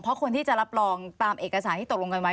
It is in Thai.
เพราะคนที่จะรับรองตามเอกสารที่ตกลงกันไว้